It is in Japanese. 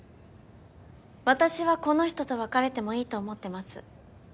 私はこの人と別れてもいいと思ってます